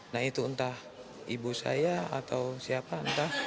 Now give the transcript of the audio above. nah itu entah ibu saya atau siapa entah